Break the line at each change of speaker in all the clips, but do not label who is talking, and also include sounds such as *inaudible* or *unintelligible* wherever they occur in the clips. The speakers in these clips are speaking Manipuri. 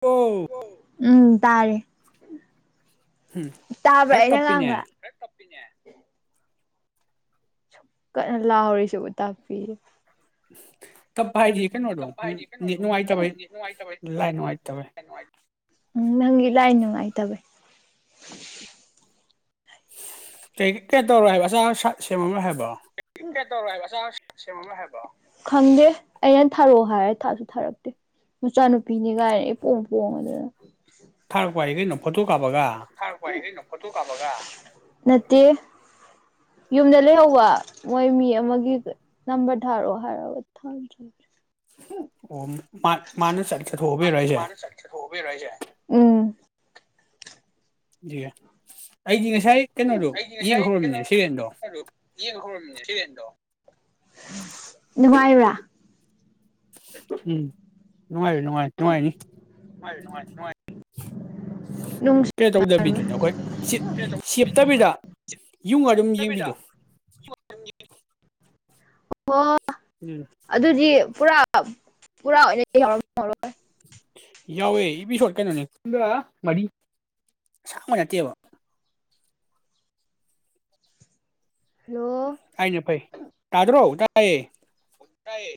ꯑꯣ
ꯎꯝ ꯇꯥꯔꯦ
ꯎꯝ
ꯎ ꯇꯥꯕ꯭ꯔꯥ
ꯈꯔ
ꯑꯩꯅ ꯉꯥꯡꯕ
ꯇꯞꯄꯤꯅꯦ
ꯀ ꯂꯍꯔꯤꯁꯕꯨ ꯇꯄꯤꯤ
ꯇꯞ ꯚꯥꯏꯗꯤ ꯀꯩꯅꯣꯗꯣ ꯅꯤꯠ ꯅꯨꯡꯉꯥꯏꯇꯕꯩ ꯂꯥꯏ ꯅꯨꯡꯉꯥꯏꯇꯕꯦ
ꯎ ꯅꯪꯦ ꯏꯥꯏ ꯅꯨꯡꯉꯥꯏꯇꯕꯦ *unintelligible*
ꯀ ꯀꯩ ꯇꯧꯔꯣ ꯍꯥꯏꯕ ꯑꯆꯥ ꯑꯁꯠ ꯁꯦꯝꯃ꯭ꯔꯣꯏ ꯍꯥꯏꯕꯣ
ꯈꯪꯗꯦ ꯑꯩꯅ ꯊꯥꯔꯛꯑꯣ ꯍꯥꯏꯔꯦ ꯊꯥꯁꯨ ꯊꯥꯔꯛꯇꯦ ꯃꯆꯥꯅꯨꯄꯤꯅꯤ ꯀꯥꯏꯅ ꯑꯩ ꯄꯣꯡ ꯄꯣꯡꯉꯗꯅ
ꯊꯥꯔꯛꯄꯥꯏꯈꯩꯅꯣ ꯐꯣꯇꯣ ꯕꯒ
ꯅꯠꯇꯦ ꯌꯨꯝꯗ ꯂꯩꯍꯧꯕ ꯃꯣꯏ ꯃꯤ ꯑꯃꯒꯤ ꯅꯝꯕꯔ ꯊꯥꯔꯛꯑꯣ ꯍꯥꯏꯔꯒ ꯊꯥ
ꯑꯣ ꯃꯥꯅ ꯆꯠꯊꯣꯛꯑꯕꯤꯔ ꯑꯩꯁꯦ
ꯎꯝ
ꯑꯩ ꯁ ꯉꯁꯥꯏ ꯀꯩꯅꯣꯗꯣ ꯌꯦꯡꯈꯧꯔꯃꯤꯅ ꯁꯤꯔꯦꯟꯗꯣ
ꯅꯨꯡꯉꯥꯏꯕ꯭ꯔꯥ
ꯎꯝ ꯅꯨꯡꯉꯥꯏ ꯅꯨꯡꯉꯥꯏ ꯅꯨꯡꯉꯥꯏꯅꯤ
ꯅꯨꯡꯁꯨ
ꯀꯩ ꯇꯧꯗꯕꯤꯗꯨꯅꯤ ꯑꯩꯈꯣꯏ ꯁꯦꯞꯇꯕꯤꯗ ꯌꯨꯡ ꯑꯗꯨꯝ ꯌꯦꯡꯕꯤꯗꯣ
ꯑꯣ
ꯎꯝ
ꯑꯗꯨꯗꯤ ꯄꯨꯥ ꯄꯨꯔꯥꯅ
ꯌꯥꯎꯋꯦ ꯏꯄꯤ ꯁꯣꯔꯠ ꯀꯩꯅꯣꯅꯦ ꯃꯔꯤꯥꯡꯕ ꯅꯠꯇꯦꯕ
ꯍꯜꯂꯣ
ꯍꯥꯏꯥꯏꯅꯦ ꯐꯥꯏ ꯇꯥꯖꯔꯣ ꯇꯑꯌꯦ
ꯇꯥꯏꯌꯦ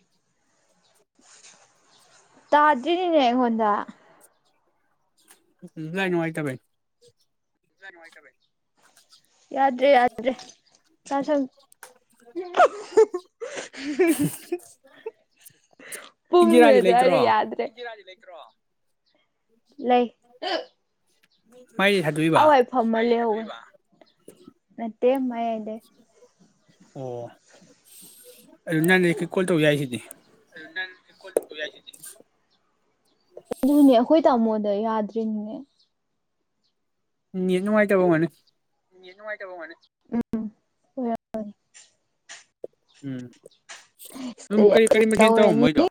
ꯇꯗꯔꯤꯅꯤꯅꯦ ꯑꯩꯉꯣꯟꯗ
ꯎ ꯂꯩꯥꯏ ꯅꯨꯡꯉꯥꯏꯇꯕꯥꯏ ꯎ
ꯖꯅꯨꯡꯉꯇꯕꯩ ꯌꯥꯗ꯭ꯔꯦ ꯌꯥꯗ꯭ꯔꯦ ꯇꯁꯜ ꯏ ꯄꯨꯝꯃꯦ
ꯏꯟꯗꯤꯔꯥꯗꯤ
ꯑꯗꯨꯋꯥꯏꯗ
ꯂꯩꯇ꯭ꯔꯣ
ꯌꯥꯗ꯭ꯔꯦ ꯂꯩ
ꯎ
ꯑꯥꯎꯥꯏ ꯐꯃ ꯂꯩꯍꯧꯕꯅꯦ ꯃꯌꯥꯏꯗꯩ
ꯑꯣ ꯑꯗꯨ ꯅꯪꯟ ꯀꯣꯜ ꯇꯧ ꯌꯥꯏꯖꯤꯗꯤ
ꯑꯗꯨꯅꯦ ꯑꯩ ꯍꯣꯏ ꯇꯥꯃꯣꯣꯟ ꯗ ꯌꯥꯗ꯭ꯔꯤꯅꯤꯅꯦ
ꯎꯝ ꯅꯦꯠ ꯅꯨꯡꯉꯥꯏꯇꯕ ꯑꯣꯏꯝꯒꯅꯤ
ꯅꯦꯠ ꯅꯨꯡꯉꯥꯏꯇꯕ ꯑꯣꯏꯝꯒꯅꯤ ꯎꯝ ꯝ ꯑꯣꯏꯔꯝꯃꯅꯤ
ꯎꯝ ꯑꯗꯨꯝ ꯀꯔꯤ ꯀꯔꯤ ꯃꯈꯊꯦꯜ ꯇꯧꯏ
ꯇꯧꯔꯅꯤ
ꯃꯣꯏꯗꯣ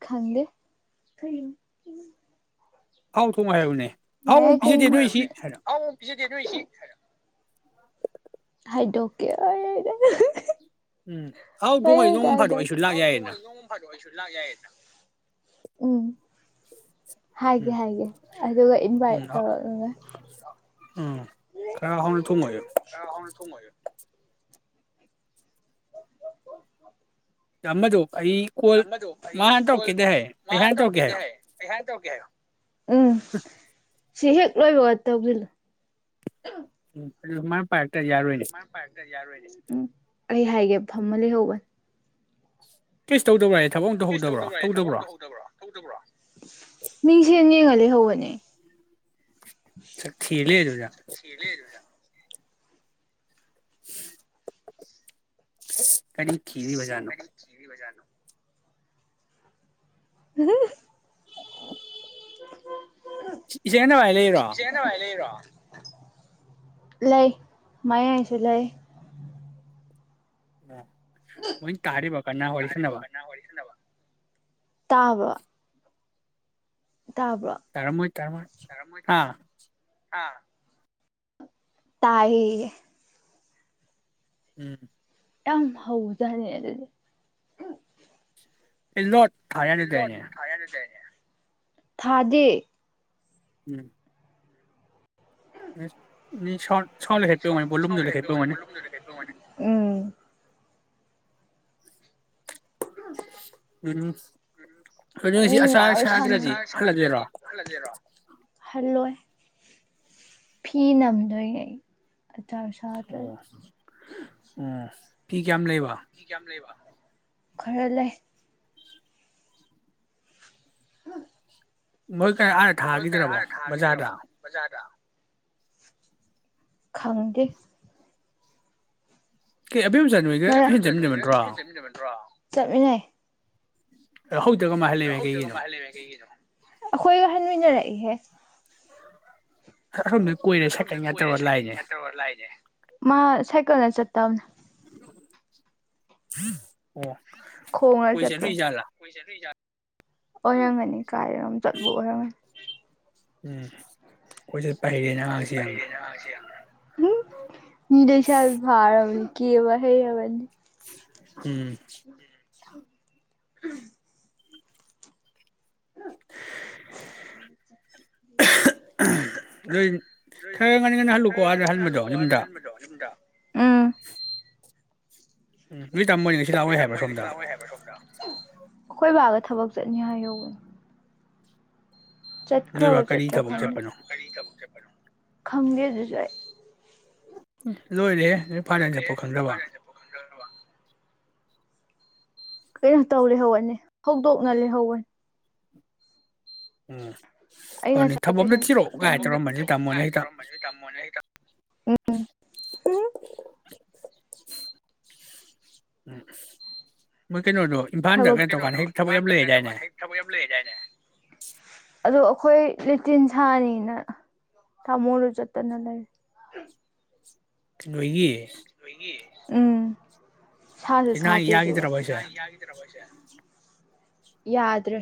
ꯈꯪꯗꯦ
ꯍꯥꯎ ꯊꯣꯡꯉꯨ ꯍꯥꯏꯌꯨꯅꯦ
ꯃ ꯀ ꯩꯅꯣꯏꯁꯤ
ꯑ
ꯍꯥꯏꯗꯣꯛ ꯀꯦ
ꯎꯝ ꯍꯥꯎ ꯊꯣꯡꯉꯗꯤ ꯅꯣꯡꯃ ꯐꯥꯗꯣꯛ ꯑꯩꯁꯨ
ꯍꯥꯏꯗꯣꯛꯀꯦ
ꯂꯥꯛ ꯌꯥꯏꯌꯦꯅ
ꯎꯝ ꯍꯥꯏꯒꯦ
ꯎꯝ
ꯍꯥꯏꯒꯦ ꯑꯗꯨꯒ ꯏꯟꯚꯥꯏꯠ
ꯎꯝ
ꯇꯧꯔꯅꯕ
ꯎꯝ ꯈꯔ ꯍꯥꯎꯅ ꯊꯣꯡꯉꯣ꯭ꯨ ꯌꯣ ꯆꯥꯝꯃꯗꯣ ꯑꯩ ꯀꯣꯜ ꯃꯥꯥ ꯍꯥꯟꯅ ꯇꯧꯔꯛꯀꯦꯗꯦ ꯍꯥꯏ ꯑꯩ ꯍꯥꯟꯅ ꯇꯧꯔꯛꯀꯦ ꯍꯥꯏ
ꯎꯝ ꯁꯤ ꯍꯦꯛ ꯂꯣꯏꯕ ꯇꯧꯖꯤꯜꯂꯨ
ꯎ
ꯎ ꯑꯩ ꯍꯥꯏꯒꯦ ꯐꯝꯃ ꯂꯩꯍꯧꯕꯅꯦ
ꯀꯁ ꯇꯧ ꯇꯧꯕꯕ꯭ꯔꯥꯏꯦ
ꯁꯦꯅ ꯌꯦꯡꯍ ꯍꯧ ꯅꯦ
ꯆ ꯊꯤ ꯂꯩꯦꯖꯣ ꯌꯥ ꯎ ꯀꯔꯤ ꯈꯤꯔꯤ ꯃꯖꯥꯅ
ꯍꯥ
ꯏꯆꯦ ꯅꯚꯥꯏ ꯂꯩꯔꯣ
ꯂꯩꯏ ꯃꯌꯥ ꯍꯥꯏꯁꯦ ꯂꯩꯏ
ꯑ ꯃꯣꯏ ꯇꯥꯔꯦꯕ ꯀꯥꯟꯅꯥ ꯍꯂꯤꯁ ꯅꯕ
ꯇꯥꯕ
ꯇꯔꯃꯣꯏ ꯇꯔꯃ ꯍꯥꯥ
ꯇꯥꯏ
ꯎꯝ
ꯌꯥꯝ ꯍꯧꯖꯅꯤ ꯑꯗꯨꯗꯤ
ꯑꯦ ꯅꯠ
ꯏꯜꯂꯣ ꯊꯥꯅꯗꯅꯦ ꯊꯥꯗꯦ
ꯎꯝ ꯁ ꯂꯦꯈꯦ ꯄ ꯃꯅꯤ ꯣꯂꯨꯝꯗꯨ ꯂꯦꯈꯦ ꯄ ꯃꯅꯤ
ꯎꯝ
*unintelligible* ꯑꯗꯨ ꯅꯣꯏꯁꯤ
ꯃꯤ
ꯑꯆꯥꯔ
ꯃꯌꯥꯝ
ꯁꯥꯗ꯭ꯔꯗꯤ ꯍꯜꯂꯗꯣꯏꯔꯣ
ꯍꯜꯂꯣꯏ ꯐꯤ ꯅꯝꯗꯣꯏꯅꯦ ꯑꯆꯥꯔ ꯁꯥꯗ꯭ꯔꯗꯤ
ꯑꯣ ꯎꯝ ꯐꯤ ꯀꯌꯥꯝ ꯂꯩꯕ
ꯀ ꯀꯝ ꯂꯩꯕ ꯈꯔ ꯂꯩ
ꯃ ꯑꯦ ꯑꯥ ꯊꯥꯈꯤꯗ꯭ꯔꯕꯣ ꯕꯖꯥꯔꯗ
ꯈꯪꯒꯦ
ꯀ ꯑꯕꯆꯥꯥ ꯅꯣꯏꯒ ꯆ ꯇꯃꯤꯟꯅꯃꯤ꯭ꯔꯣ
ꯆꯠꯃꯤꯅꯦ
ꯍꯧꯗꯒ ꯃꯥꯍꯜꯂꯕ ꯀꯩꯒꯤꯅꯣ
ꯑꯩꯈꯣꯏ ꯋꯥꯍꯥꯟꯃꯤꯖꯔꯏꯍꯦ
ꯑꯁꯣꯝꯗ ꯀꯣꯏꯔꯦ
ꯣꯗ
ꯁꯥꯏꯀꯜꯒ
ꯀꯣꯏꯔꯦ
ꯇꯧꯔ
ꯁꯥꯏꯀ
ꯂꯥꯛꯏꯅꯦ
ꯅ ꯇꯧ ꯂꯥꯏꯔꯦ ꯀꯣꯂꯦꯖ ꯆꯠꯇꯝꯅꯦ
ꯑꯣ
ꯈꯣꯡꯅ
ꯀꯣꯏ ꯆꯠꯇꯣꯏ
ꯆꯠꯄꯅꯦ
ꯖꯥꯠꯂ
ꯑꯣꯏꯔꯝꯒꯅꯤ ꯀꯥꯏꯔꯣꯝ ꯆꯠꯄ ꯑꯣꯏꯔꯝꯒꯅꯤ
ꯎꯝ ꯍꯣꯏꯁꯦ
*unintelligible* ꯃꯤ ꯂꯩꯁꯥ ꯐꯥꯔꯕꯅꯤ ꯀꯦꯕꯥ ꯍꯩꯔꯕꯅꯤ
ꯎꯝ
*inaudible*
ꯅꯣꯏ ꯈꯔ ꯉꯟꯅ ꯉꯟꯅ ꯍꯜꯂꯨꯀꯣ ꯑꯥꯗ ꯍꯟꯕꯗꯣ ꯌꯨꯝꯗ
*unintelligible*
ꯎꯝ ꯅꯣꯏ ꯇꯥꯃꯣ ꯍꯣꯏ ꯉꯁꯤ ꯂꯥꯛꯑꯣꯏ ꯍꯥꯏꯕ꯭ꯔꯥ ꯁꯣꯝꯗ
ꯑꯩꯈꯣꯏ ꯕꯥꯒ ꯊꯕꯛ ꯆꯠꯅꯤ ꯍꯥꯏ ꯍꯧꯋꯦ ꯆꯠꯈ꯭ꯔꯕ
ꯅꯣꯏꯕ ꯀꯔꯤ
ꯆꯠꯇ꯭ꯔ
ꯊꯕꯛ
ꯈꯪ
ꯆꯠꯄꯅꯣ
ꯈꯪꯗꯦꯗꯨꯖꯨ ꯑꯩ
ꯂꯣꯏꯔꯦ ꯅꯣꯏ ꯐꯗꯔ ꯆꯥꯠꯐꯥꯎ ꯈꯪꯗ꯭ꯔꯕ
ꯀꯩꯅꯣ ꯇꯧ ꯂꯩꯍꯧꯕꯅꯦ ꯍꯧꯗꯣꯛꯅ ꯂꯩꯍꯧꯅꯤ
ꯎꯝ
ꯑꯩ
ꯑꯗꯨꯅꯤ
ꯉꯁꯥꯏ
ꯊꯕꯛ ꯑꯝꯇ
ꯇꯨꯏꯁꯟ
ꯊꯤꯔꯛꯑꯣ ꯀꯥꯏ ꯇꯧꯔꯝꯕꯅꯤ ꯅꯣꯏ ꯇꯥꯃꯣꯅ ꯍꯦꯛꯇ
*unintelligible*
ꯎꯝ ꯀꯩꯅꯣꯗꯣ ꯏꯝꯐꯥꯜꯗ
ꯊꯕꯛ ꯀꯩꯅꯣ
ꯇꯧꯀꯥꯟꯗ ꯍꯦꯛ ꯊꯕꯛ ꯌꯥꯝ
ꯐꯗ ꯀ ꯇ ꯀ
ꯂꯩꯌꯦꯗꯥꯏꯅꯦ
ꯊꯕ ꯌꯥꯝ ꯂꯩꯅꯦ ꯑꯗꯨ ꯑꯩꯈꯣꯏ ꯂꯦꯇꯤꯟ ꯁꯥꯅꯤꯅ ꯇꯥꯃꯣꯗ ꯆꯠꯇꯅ ꯂꯩ
ꯅꯣꯏꯒꯤ
ꯎꯝ ꯁꯥꯁꯨ
ꯅꯍꯥꯟ
ꯁꯥꯗꯦ ꯑꯗꯨꯒ
ꯌꯥꯒꯤꯗ꯭ꯔꯕꯣ ꯍꯥꯏꯁꯦ
ꯌꯥꯗ꯭ꯔꯦ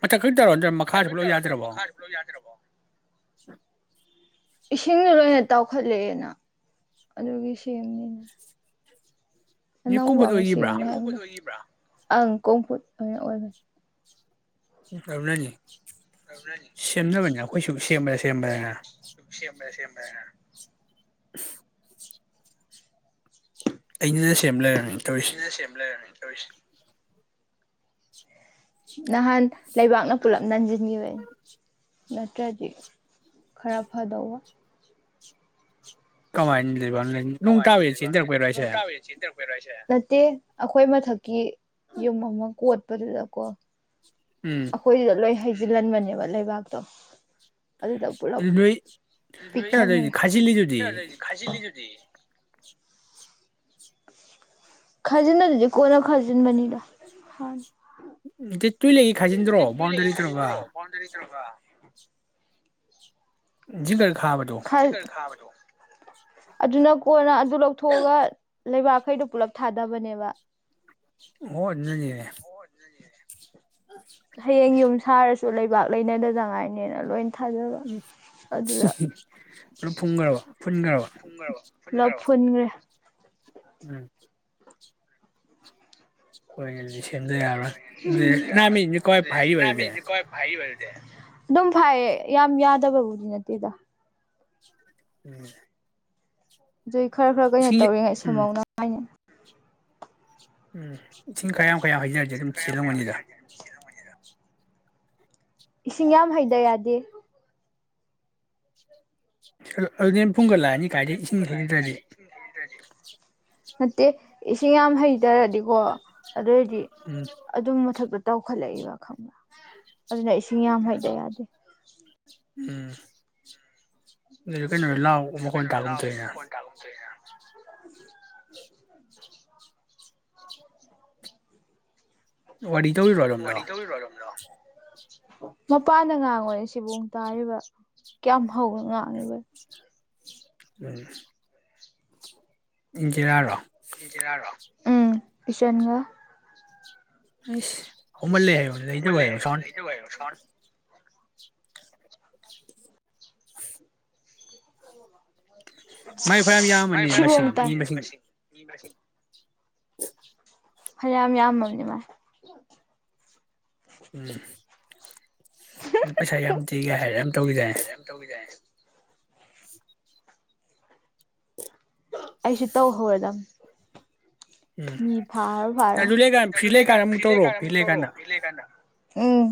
ꯃꯊꯛ ꯀꯩꯅꯣ ꯇꯧꯔꯣ ꯃꯈꯥꯁꯨ ꯄꯨꯂꯞ ꯌꯥꯗ꯭ꯔꯕꯣ
ꯏꯁꯤꯡꯗꯣ ꯂꯣꯏꯅ ꯇꯥꯎꯈꯠꯂꯛꯑꯦꯅ ꯑꯗꯨꯒꯤ ꯁꯦꯝꯅꯤꯅ
ꯅꯣꯏ
ꯑꯅꯧꯕ
ꯀꯣꯝꯄꯣꯠ
ꯑꯃ
ꯑꯣꯏꯒꯤꯕ꯭ꯔꯥ
ꯁꯦꯝ ꯑꯪ ꯀꯣꯡꯐꯨꯠ ꯑꯣꯏꯕꯅꯦ
ꯁꯤꯠꯇꯕꯅꯅꯤ
*unintelligible*
ꯑꯩꯈꯣꯏꯁꯨ ꯁꯦꯝꯕꯗ ꯁꯦꯝꯕꯗꯅ
ꯁꯦꯝ ꯁꯦꯝ
*inaudible* ꯑꯩꯅꯅ ꯁꯦꯝꯕ ꯂꯩꯔꯝꯅꯤ ꯇꯧꯔꯤꯁꯦ
ꯁ ꯅꯍꯥꯟ ꯂꯩꯕꯥꯛꯅ ꯄꯨꯂꯛ ꯅꯟꯖꯟꯒꯤꯚ ꯅꯠꯇ꯭ꯔꯗꯤ ꯈꯔ ꯐꯗꯧꯕ
ꯀꯃꯥꯏꯕ ꯎ ꯅꯨꯡ ꯇꯥꯕꯦ ꯆꯦꯟꯊꯔꯛꯄꯔꯣ ꯑꯩꯁꯦ
ꯅꯠꯇꯦ ꯑꯩꯈꯣꯏ ꯃꯊꯛꯀꯤ ꯌꯨꯝ ꯑꯃ ꯀꯣꯠꯄꯗꯨꯗꯀꯣ
ꯎꯝ
ꯑꯩꯈꯣꯏꯁꯤꯗ ꯂꯣꯏ ꯍꯥꯏꯦ ꯜꯍꯟꯕꯅꯦꯕ ꯂꯩꯕꯥꯛꯇꯣ ꯑꯗꯨꯗ ꯄꯨꯂꯞ
ꯅꯣꯏ ꯀꯩꯅꯣ
ꯄꯤꯛꯊꯟꯈ꯭ꯔꯦ
ꯈꯥꯏꯁꯤ ꯑꯗꯨꯗꯤ
ꯈꯖꯟꯗ ꯑꯗꯨꯗꯤ ꯀꯣꯅ ꯈꯖꯟꯕꯅꯤꯗ
ꯇꯨꯏ ꯂꯩꯒꯦ ꯈꯥꯏꯖꯤꯟꯗ꯭ꯔꯣ ꯕꯥꯎꯟꯗꯔꯤ ꯇꯧꯔꯒ
*inaudible*
ꯕ
ꯈꯥꯏ ꯑꯗꯨꯅ ꯀꯣꯟꯅ ꯑꯗꯨ ꯂꯧꯊꯣꯛꯑꯒ ꯂꯩꯕꯥꯛꯈꯩꯗꯣ ꯄꯨꯂꯞ ꯊꯥꯗꯕꯅꯦꯕ
ꯍꯅꯦ
ꯑꯣ ꯍꯌꯦꯡ ꯌꯨꯝ ꯁꯥꯔꯁꯨ ꯂꯩꯕꯥꯛ ꯂꯩꯅꯗꯖꯉꯥꯏꯅꯤꯅ ꯂꯣꯏꯅ
ꯎꯝ ꯄꯨꯞ ꯐꯟꯈ꯭ꯔꯕ ꯐꯨꯟꯈ꯭ꯔꯕ
ꯂꯞ ꯐꯟꯒ꯭ꯔ
ꯎꯝ ꯍꯣꯏ ꯁꯦꯝꯗ ꯌꯥꯔꯣꯏ ꯑꯗꯨ ꯃꯤ ꯀꯏ ꯐꯥꯏꯕꯗ
ꯑꯗꯨꯝ ꯐꯩꯌꯦ ꯌꯥꯝ ꯌꯥꯗꯕꯕꯨꯗꯤ ꯅꯠꯇꯦꯗ
ꯎꯝ
ꯣꯏ ꯈꯔ ꯈꯔ ꯀꯩꯅꯣ
ꯏꯁꯤꯡ
ꯇꯧꯔꯤꯉꯩ
ꯎꯝ
ꯁꯐꯧꯅꯅꯨꯡꯉ ꯍꯥꯏꯅꯤ
ꯎꯝ ꯏ ꯆꯤꯡꯈ ꯌꯥꯝ
ꯆꯀ ꯌꯥꯝ ꯏꯁꯤꯡ ꯌꯥꯝ ꯍꯩꯗ ꯌꯥꯗꯦ
ꯑ ꯑꯨꯡꯒ ꯂꯥꯛꯑꯅꯤ ꯀꯥꯏꯗꯤꯦ ꯏꯁꯤꯡ ꯊꯩꯕꯤꯗ꯭ꯔꯗꯤ
ꯅꯠꯇꯦ ꯏꯁꯤꯡ ꯌꯥꯝ ꯍꯩꯇꯔꯗꯤꯀꯣ ꯑꯗꯨꯑꯣ ꯑꯣꯏꯔꯗꯤ
ꯎꯝ
ꯑꯗꯨꯝ ꯃꯊꯛꯛꯇ ꯇꯧꯈꯜꯂꯛꯏꯕ ꯈꯪꯕ ꯑꯗꯨꯅ ꯏꯁꯤꯡ ꯌꯥꯝ ꯍꯩꯗ ꯌꯥꯗꯦ ꯎꯝ *inaudible*
ꯎꯝ ꯀꯩꯅꯣ ꯂꯥꯎꯕ ꯃꯈꯣꯜ ꯇꯥꯒꯨꯝ ꯇꯧꯏꯅ
*inaudible*
ꯋꯥꯔꯤ ꯇꯧꯔꯤꯔꯣ ꯑꯗꯣꯝꯗꯣ
ꯃꯄꯥꯟꯗ ꯉꯥꯡꯉꯣꯌꯦ ꯁꯤꯕꯣꯡ ꯇꯥꯔꯤꯕ ꯀꯌꯥꯝ ꯍꯧꯅ ꯉꯥꯡꯏꯕꯩ ꯎ *inaudible*
ꯊꯦꯡꯁ *inaudible* ꯏꯟꯗꯤꯔꯥ ꯔꯣ
ꯎꯝ ꯏꯁꯦꯟꯒ
ꯑꯁ
ꯍꯧꯃꯜꯂꯦ ꯍꯥꯏꯌꯣ ꯂꯩꯗꯧ ꯍꯥꯏꯌꯣ ꯁꯥꯎꯟ *inaudible*
ꯃꯥꯏ ꯐꯅ ꯌꯥꯝ ꯌꯥꯝꯕꯅꯤꯅꯦ ꯃꯁꯤꯡ ꯃꯤ ꯃꯁꯤꯡ
ꯁꯤ *inaudible* ꯐꯅ ꯌꯥꯝ ꯌꯥꯝꯃꯝꯅꯦ ꯃꯥꯥꯁꯨ
ꯎꯝ ꯃꯁꯛ ꯌꯥꯝ ꯊꯤ ꯀꯥꯏꯅ ꯌꯥꯝ ꯇꯧꯒꯤꯗꯥꯏꯅꯦ
ꯑꯩꯁꯨ ꯇꯧ ꯍꯧꯔꯗꯝꯅꯦ
ꯎꯝ
ꯃꯤ ꯐꯥꯎꯐꯔ
ꯑꯗꯨ ꯂꯩꯀꯥꯟ ꯐ꯭ꯔꯤ ꯑꯃꯨꯛ ꯇꯧꯔꯣ
ꯂꯩꯀꯥꯟꯗ
ꯐ꯭ꯔꯤ
ꯑꯃꯨꯛ ꯇꯧꯔꯣꯑꯣ
ꯂꯩꯀꯥꯟꯗ
ꯃꯤ ꯂꯩ ꯀꯥꯟꯗ ꯎꯝ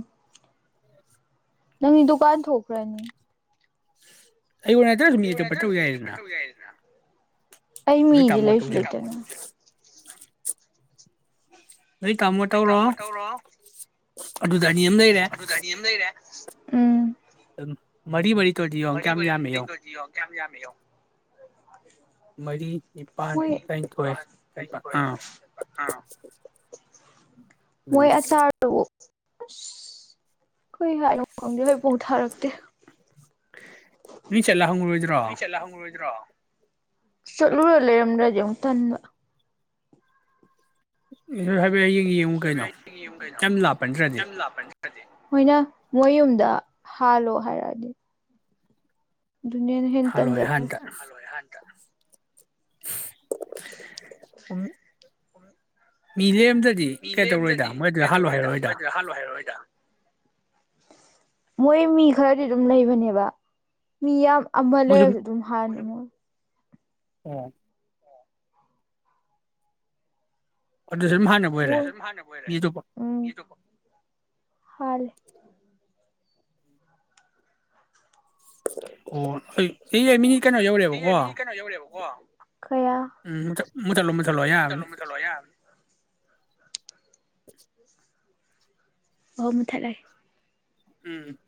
ꯅꯪꯗꯤ ꯗꯨꯀꯥꯟ ꯊꯣꯛꯈ꯭ꯔꯅꯤ
ꯑꯩꯉꯣꯟ ꯅꯠꯇ꯭ꯔꯁꯨꯝ ꯌꯦꯇꯄꯠꯇꯕ ꯌꯥꯏꯗꯅ
ꯑꯩ
ꯅꯣꯏ
ꯃꯤꯖꯤ
ꯇꯥꯃꯣ
ꯂꯩꯁꯨ
ꯇꯧꯁꯤꯜꯂꯣ
ꯂꯩꯇꯅꯤ
*inaudible* ꯅꯣꯏ ꯇꯥꯝꯃꯣ ꯇꯧꯔꯣ ꯑꯗꯨꯗ ꯃꯤ ꯑꯃ ꯂꯩꯔꯦ
ꯎꯝ
ꯃꯔꯤ ꯃꯔꯤ ꯇꯧꯔꯗꯤ ꯌꯦꯡꯉꯣ
ꯃꯔꯤ
ꯀꯌꯥꯝ
ꯃꯔꯤ
ꯌꯥꯝꯃꯦ
ꯇꯧꯔꯗꯤ ꯌꯦꯡꯉꯣ ꯀꯌꯥꯝ ꯌꯥꯝꯃꯦ ꯌꯦꯡꯉꯣ
ꯃꯔꯤ ꯅꯤꯄꯥꯜ
ꯃꯣꯏ
ꯇꯔꯥꯅꯤꯊꯣꯏ ꯑ
ꯑꯁ ꯑꯩꯈꯣꯏ ꯍꯥꯏꯔꯣꯈꯪꯗꯦꯗ ꯄꯨꯊꯥꯔꯛꯇꯦ
ꯃꯤ ꯆꯠꯂ ꯍꯪꯉꯨꯔꯣꯏꯗ꯭ꯔꯣ
ꯆꯠꯂꯨꯔ ꯂꯩꯔꯝꯗ꯭ꯔ ꯌꯦ ꯑꯃꯨꯛꯊꯟꯗ
ꯏꯁꯨ ꯍꯥꯏ ꯌꯦꯡꯉꯨ ꯀꯩꯅꯣ ꯀꯝ ꯂꯥꯞꯄꯟꯗ꯭ꯔꯗꯤ
ꯃꯣꯏꯅ ꯃꯣꯏ ꯌꯨꯝꯗ ꯍꯥꯜꯂꯣ ꯍꯥꯏꯔꯛꯑꯗꯤ ꯗꯨꯅꯤꯌꯥꯅ ꯍꯦ
ꯍꯜꯂꯣꯏ
ꯇꯟꯖꯕ꯭ꯔ
ꯍꯥꯟꯅꯗ ꯎꯝ ꯃꯤꯂꯦ
ꯃꯤ ꯂꯦꯝꯗꯗꯤ ꯀꯩ ꯇꯧꯔꯣꯏꯗ ꯃꯣꯏꯗꯨ ꯍꯥꯜꯂꯣꯏ ꯍꯥꯏꯔꯛꯑꯣꯣꯏꯗ ꯃꯣꯏ ꯃꯤ ꯈꯔꯗꯤ ꯑꯗꯨꯝ ꯂꯩꯕꯅꯦꯕ ꯃꯤ ꯌꯥꯝ ꯑꯃ
ꯃꯣꯏ
ꯂꯩꯔꯁꯨ ꯑꯗꯨꯝ ꯍꯥꯟꯅꯤ ꯃꯣꯏ
ꯑ ꯑꯗꯨꯗ ꯁꯨꯝ ꯍꯥꯟꯅꯕ ꯑꯣꯏꯔꯦ ꯃꯤ ꯑꯇꯣꯞꯄ
ꯎꯝ ꯍꯂꯦ
ꯑꯣ ꯑꯩꯣꯏ ꯑꯦ ꯌꯥ ꯃꯤꯅꯤ ꯀꯩꯅꯣ ꯌꯧꯔꯦꯕꯀꯣ
ꯀꯌꯥ
ꯎꯝ ꯃꯨꯠꯊꯠꯂꯣ ꯃꯨꯠꯊꯠꯂꯣ ꯌꯥꯕꯅꯤ
ꯍ ꯃ ꯊꯂ
ꯎꯝ